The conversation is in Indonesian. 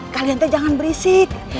kalian jangan berisik